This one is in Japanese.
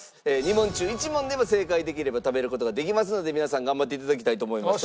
２問中１問でも正解できれば食べる事ができますので皆さん頑張って頂きたいと思います。